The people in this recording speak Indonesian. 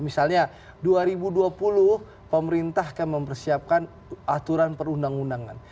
misalnya dua ribu dua puluh pemerintah akan mempersiapkan aturan perundang undangan